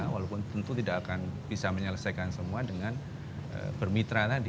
walaupun tentu tidak akan bisa menyelesaikan semua dengan bermitra tadi